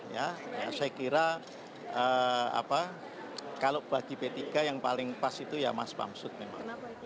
ya saya kira kalau bagi p tiga yang paling pas itu ya mas bamsud memang